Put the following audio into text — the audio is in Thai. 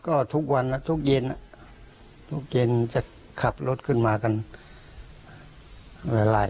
อ๋อก็ทุกวันอ่ะทุกเย็นอ่ะทุกเย็นจะขับรถขึ้นมากันหลายคันอ่ะนะ